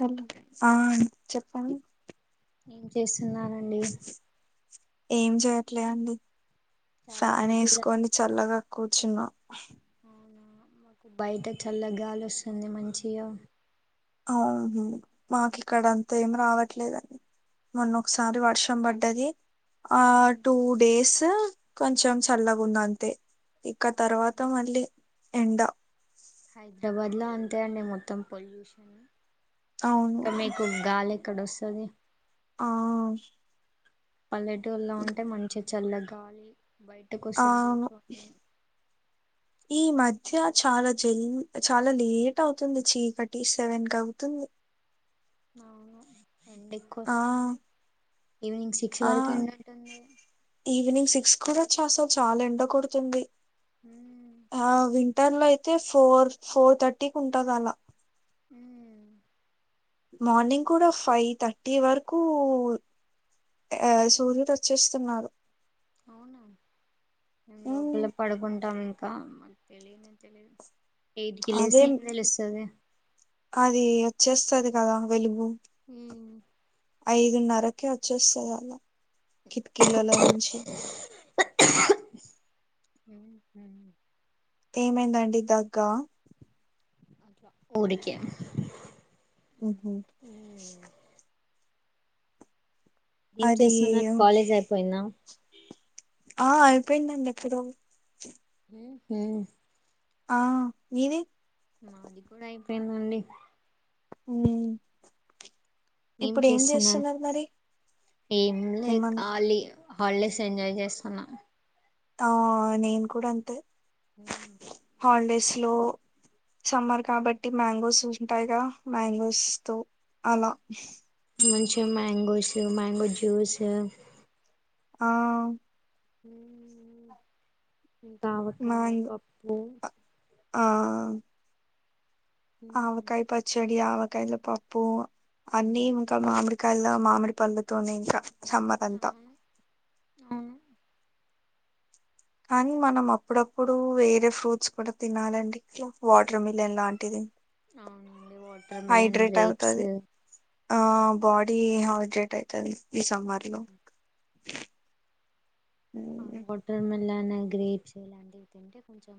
Hello ఆ చెప్పండి ఏం చేస్తున్ననండి ఏం చేయట్లే అండి చాలా ఫ్యాన్ రోజుల వేసుకోని చల్లగా కూర్చున్నా అవునా మాకు బయట చల్లగాలి వస్తుంది మంచిగా అవుహు మాకు ఇక్కడ అంతా ఏమ రావట్లేద మొన్న ఒకసారి వర్షం పడ్డది ఆ టూ డేస్ కొంచెం చల్లగ ఉంది అంతే ఇక అవును తర్వాత మళ్ళీ ఎండ హైదరాబాద్ లో అంతే అండి మొత్తం పొల్యూషన్ అవును ఇంకా మీకు గాలి ఎక్కడ వస్తుంది ఆ పల్లెటూల్లో ఉంటే మంచిగ చల్ల గాలి బయటకు ఆ వస్తే కూర్చొని ఈ మధ్య చాలా జల్ చాలా లేట్ అవుతుంది చీకటీ సెవెన్ క అవుతుంది అవును ఎండ ఆ ఎక్కువస్తుంది ఆ ఈవినింగ్ సిక్స్ కూడా చస్తా చాలా ఎండ కొడుతుంది ఉమ్ ఆ ఇంటర్లో అయితే ఫోర్ ఫోర్ థర్టీకి ఉంటది అలా ఉ మార్నింగ్ కూడా ఫైవ్ థర్టీ వర్కూ ఆ సూర్యుడ్ వచ్చేస్తున్నారు. అవునా మేం ఉమ్ లోపల పడుకుంటం కా మాక్ తెలీనే తెలిదు ఎయిట్కి అదే లేస్తే ఏం తెలుస్తది. అది వచ్చేస్తది కదా వెలుగు ఏమి? ఐదున్నరకే వచ్చేస్తదలా కిటికీలలోంచి లో ఉన్నాను ఏమైందండి దగ్గా ఊడికే మ్ హ్ ఏం అది చేస్తున్నార్ కాలేజ్ అయిపోయిందా ఆ అయిపోయిందండి ఎప్పుడో మ్ ఆ మీది? మాది కూడా అయిపోయిందండి. మ్ ఏం చేస్తున్నారు? ఏమన్నా హాల్డేస్ ఎంజాయ్ చేస్తున్నా. తా నేన్ కూడా అంతే మ్ హాల్డేస్లో సమ్మర్ కాబట్టి మ్యాంగోస్ ఉంటాయిగ మ్యాంగోస్తో అలా మంచిగ మ్యాంగోస్, మ్యాంగో జ్యూస్ ఆ మ్..... ఇంక ఆవకాయ, మ్యాంగో పప్పు ఆ ఆవకాయ పచ్చడి, ఆవకాయల పప్పు అన్నీ ఇంకా మామి కళ మామిడి పళ్ళతోనే ఇంకా సమ్మరంతా అవును కానీ మనం అప్పుడప్పుడు వేరే ఫ్రూట్స్ కుడ తినాలండి వాటర్ మిలన్ లాంటిది. అవునండి వాటర్ మిలన్, హైడ్రేట్ గ్రేప్స్ అవుతది ఆ బాడి హైడ్రేట్ అయితది ఈ సమ్మర్లో ఆ వాటర్ మిలన్, గ్రేప్స్ ఇలాంటివి తింటే కొంచం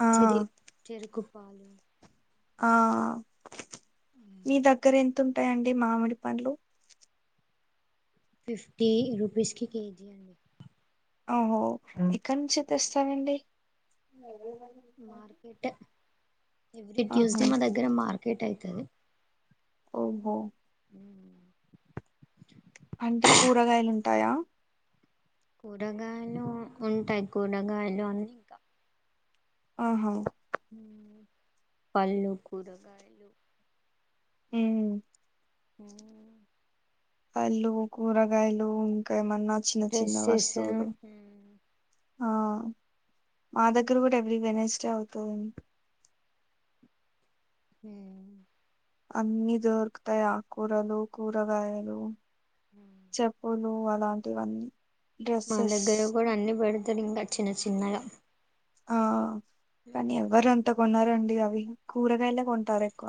ఆ చెరుకు, పాలు ఆ మీ దగ్గరెంతుంటాయండి మామిడి పండ్లు ఫిఫ్టీ రూపీస్కి కేజీ అండి. అహో ఎక్కడ్ నుంచి తెస్తారండి? మార్కెట్ ఎవ్రీ ట్యూస్డే ఆహా మా దగ్గర మార్కెట్ అయితది. ఓహో అంటే కూరగాయలుంటాయా? కూరగాయలు ఉంటాయి కూరగాయలు అన్నికా ఆహా! పళ్ళు కూరగాయలు ఉ అ పల్లు కూరగాయలు ఇంకా ఏమన్నా చిన్న చిన్న డ్రెస్సెస్ వస్తువులు ఆ మా దగ్గర కూడా ఎవరి వెనస్డే అవుతుంది హుమ్మ్ అన్ని దొరుకుతాయి ఆకూరలు కూరగాయలు చెప్పులు అలాంటివన్నీ మన డ్రెస్సెస్ దగ్గర కూడా అన్ని పెడతారు ఇంకా చిన్న చిన్నగా ఆ కానీ ఎవరు అంత కొనరండి అవి కూరగాయలే కొంటారు ఎక్కువ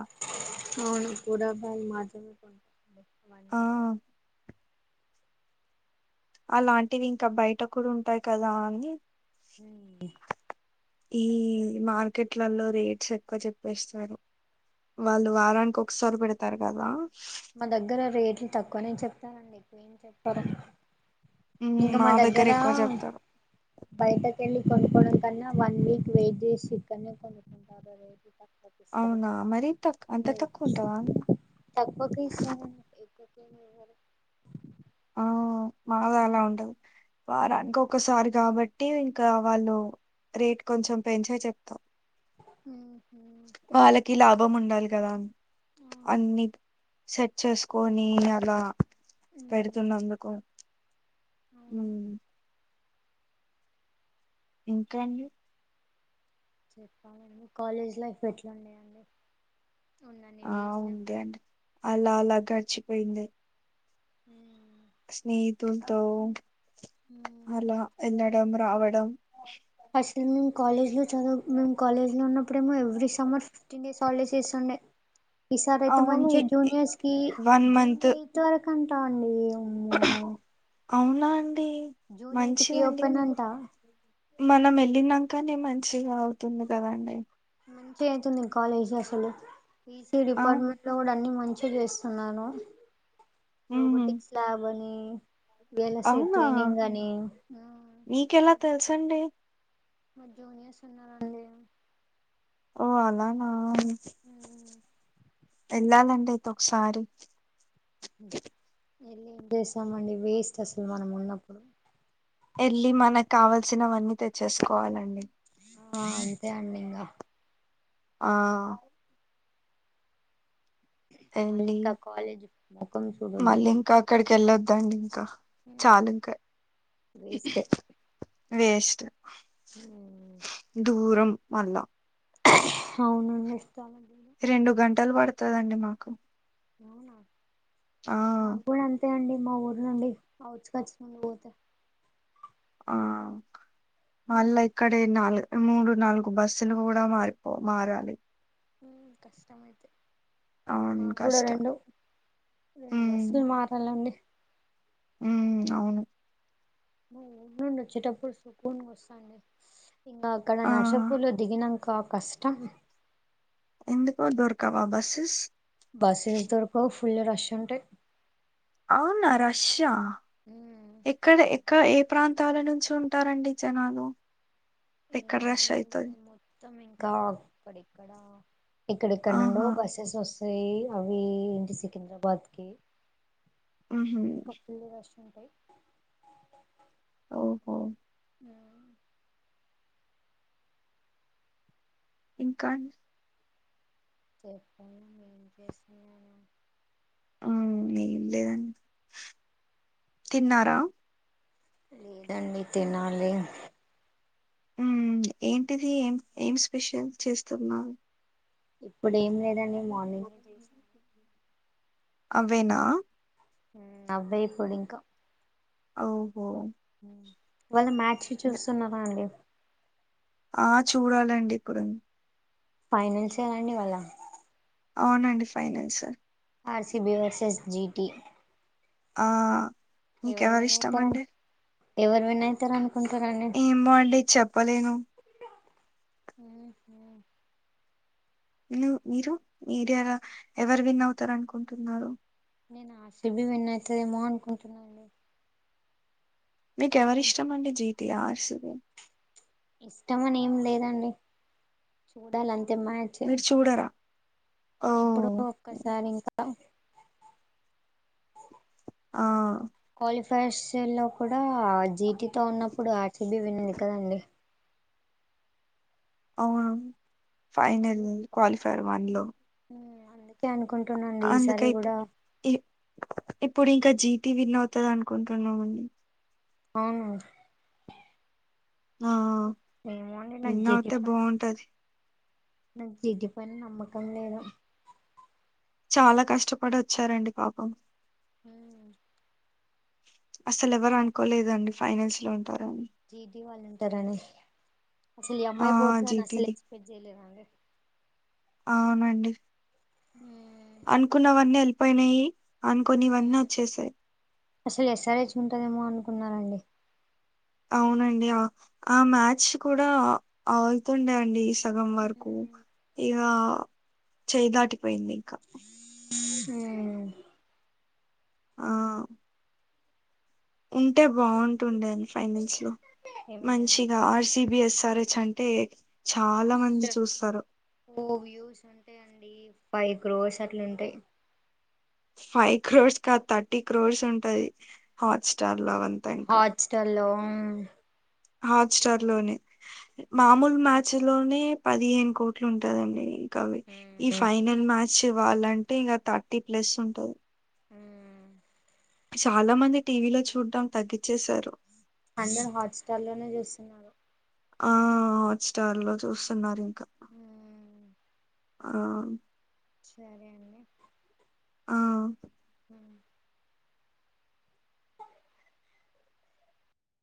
అవును కూరగాయలు మాత్రమే కొంటారు ఆ అండి ఎక్కువ అలాంటివి ఇంకా బయట కూడా ఉంటాయి కదా అని అ ఈ మార్కెట్లల్లో రేట్స్ ఎక్కువ చెప్పేస్తారు వాళ్ళు వారానికి ఒకసారి పెడతారు కదా మా దగ్గర రేట్లు తక్కువనే చెప్తారండి ఎక్కువేం చెప్పారు ఉమ్, ఇంకా మా దగ్గర ఎక్కువ చెప్తారు బయట వెళ్ళి కొనుకోవడం కన్నా వన్ వీక్ వెయిట్ జేసి చికెన్ కొనుకుంటారు అవునా మరీ తక్కు అంత తక్కువ ఉంటావా అ సారండీ ఆ మాగా అలా ఉండదు వారానికి ఒకసారి కాబట్టి ఇంక వాళ్ళు రేట్ కొంచెం పెంచే చెప్తాం హ వాళ్ళకి లాభం ఉండాలి కదా అవును అన్ని సెట్ చేసుకొని అలా ఉమ్ పెడుతున్నందుకు ఉ అవును ఇంకా అండి చెప్పామండి కాలేజ్ లైఫ్ ఎట్లా ఉన్నాయండి ఆ ఉంది అండి అలా అలా గడిచిపోయింది హ స్నేహితులతో అలా వెళ్ళడం రావడం అసలు మేము కాలేజ్ లో చదువు మేము కాలేజ్ లో ఉన్నప్పుడేమో every summer fifteen days holidays చేస్తుండే ఈసారి అయితే అవును మంచిగా జూనియర్స్ కి వన్ జూన్ మంత్ ఎయిత్ వరకు అంటా అండి అమ్మో అవునా అన్ జూన్ ఎయిత్ కి ఓపెన్ అంటా మనం వెళ్ళినంకనే మంచిగా అవుతుంది కదండి మంచి అవుతుంది కాలేజ్ అసలు ఈసీ ఆ డిపార్ట్మెంట్ లో కూడా అన్ని మంచి మంచి చేస్తున్నాను ఉమ్ రోబోటిక్స్ ల్యాబ్ అని ఎలా సేర్తుయి అవునా ట్రైనింగ్ అని మీకెలా తెలుసండి మా జూనియర్స్ ఉన్నారండి ఓ అలానా వెళ్ళాలంటే ఒకసారి చేసామండి వేస్ట్ అసలు మనం ఉన్నప్పుడు వెళ్ళి మనకు కావల్సినవన్నీ తెచ్చేసుకోవాలండి. ఆహ్ అంతే అండి ఇంకా. ఆహ్. వెళ్ళి మల్లికా కాలేజీ ముఖం చూడొద్దు. కెళ్ళొద్దండి ఇంకా చాలు ఇంకా వేస్ట్ వేస్ట్. దూరం మల్ల. అవును నీ ఇష్టం. రెండు గంటలు పడుతదండి మాకు. అవునా ఆ మాకు కూడా అంతే అండి. మా ఊరు నుండి ఔట్స్కట్స్ నుండి పోతే. ఆహ్ మల్ ఉమ్, ఇక్కడే నాలుగు. మూడు నాలుగు బస్సులు కూడా మారిపో మారాలి. ఉమ్ కష్టమైతే. అవును మాకు కూడా కష్టం రెండు రెండు ఉమ్ బస్సులు మారాలండి. ఉమ్ అవును. ఊరు నుండి వచ్చేటప్పుడు సుకున్ గా వస్తానండి ఇంకా అక్కడ ఆ నర్సపుర్ లో దిగినాంక. ఇంకా కష్టం. ఎందుకో దొర్కవా బస్సెస్. బస్సెస్ దొరకవ్ ఫుల్ రష్ ఉంటాయి. అవునా రష్య్ ఉమ్, ఇక్కడ ఇక్ ఇంకా ఏ ప్రాంతాల నుంచి ఉంటారండి జనాలు. ఎక్కడ ఏమో రష్ అండి అయితది మొత్తం ఇంకా అక్కడిక్కడ. ఇక్కడేక్కడి నుండో ఆహా బస్సెస్ వస్తాయి అవి ఎంటి సికింద్రాబాద్ కి. ఉమ్. ఉంటాయి. ఓహో. ఆహ్ అవును. ఇంకా అండి. చెప్పండి ఏం చేస్తున్నారు. ఉమ్ ఏం లేదండి తిన్నారా. లేదండి తినాలే. ఉమ్ ఏంటిది ఏం ఏం స్పెషల్ చేస్తున్నారు. ఇప్. అవేనా. ఉమ్ అవే ఇప్పుడు ఇంకా. ఓహో. ఉమ్ ఇవాళ మ్యాచ్ చూస్తున్నారా అండి. ఆహ్ చూడాలండి ఇప్పుడు. ఫైనల్సేన అండి ఇవాళ. అవునండి ఫైనాల్స్. RCB versus GT. ఆహ్ ఎవరు నీకెవరి విన్ అయితారని ఇష్టమండి. ఎవరు విన్ అయితారు అను. ఏమో అండి చెప్పలేను. ఉమ్ ఉహూ. మీరు మీడియా ఎవరు విన్ అవుతారు అనుకుంటున్నారు నేను ఆర్ సి బి విన్నఅయితదేమో అనుకుంటున్నా అండి మీకెవరిష్టంమండి జీతి ఆర్ సువేన్ ఇష్టమని ఏం లేదండి చూడాలం మీరు చూడరా ఓ ఎప్పుడో ఒక్కసారి ఇంకా ఆ కాలిఫైర్స్ లో కూడా జీటితో ఉన్నప్పుడు ఆర్సిబి వినింది కదండి అవును ఫైనల్ అందు క్వాలిఫైర్ వన్ లో అందుకే అన్ అందుకె ఇప్పు ఇ ఇప్ ఇప్పుడు ఇంకా జీటి విన్ అవుతాది అనుకుంటున్నామండి అవును ఆ ఏమో అండి నా విన్ జది అవుతే బాగుంటది పని జిటిపైన నమ్మకం లేదు చాలా కష్టపడి వచ్చారండి పాపం హ అసలు ఎవరు అనుకోలేదండి ఫైనాన్స్ లో ఉం జీటి వాళ్ళు ఉంటారని అసలు ఈ ఆ అమ్మాయి పోతు అని అసలు జీటీది ఎక్స్పెక్ట్ చేయలేదు అండి అవునండి హ అనుకున్నవన్నీ వెళ్ళిపోయినాయి అనుకోనివన్నీ మ్ వచ్చేసాయి అసలు ఎస్ ఆర్ చ్ ఉంటదేమో అనుకున్నారండి అవునండి ఆ మ్యాచ్ కూడా ఆలుతుండే అండి సగం వరకు మ్మ్ ఇగ చేయ దాటిపోయింది ఇంకా హుమ్మ్ ఆ ఉంటే బాగుంటుండే అండి ఫైనల్స్ లో ఏమైందండి మంచిగా ఆర్సిబిఎస్ఆర్ హెచ్ అంటే చాలా మంది మస్తు చూస్తారు ఓ వ్యూస్ ఉంటాయి అండి ఫైవ్ క్రోస్ అట్లు ఉంటయ్ ఫైవ్ క్రోర్స్ కాద్ థర్టీ క్రోర్స్ ఉంటది హాట్ స్టార్ లో అవంతా ఇంకా హాట్ స్టార్ లో హాట్ స్టార్ లోనే మామూలు మ్యాచ్ లోనే పదిహేను కోట్లు ఉంటదండి అవి ఈ ఫైనల్ మ్యాచ్ ఇవ్వాలంటే ఇంగా థర్టీ ప్లస్ ఉంటది మ్ చాలా మంది టీవీలో చూడ్డం తగ్గిచేసారు అందరు హాట్ స్టార్ లోనే జూస్తున్నారు ఆ హాట్ స్టార్ లో జూస్తున్నారు ఇంకా మ్మ్ ఆ సరే అండి ఆ